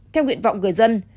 theo nguyện vọng người dân